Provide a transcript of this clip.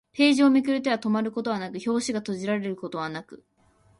ページをめくる手は止まることはなく、表紙が閉じられることはなく